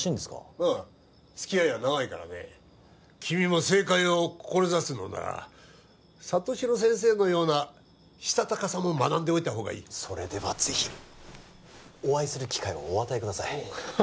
ああつきあいは長いからね君も政界を志すのなら里城先生のようなしたたかさも学んでおいた方がいいそれではぜひお会いする機会をお与えください